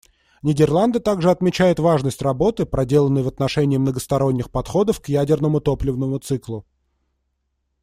Нидерланды также отмечают важность работы, проделанной в отношении многосторонних подходов к ядерному топливному циклу.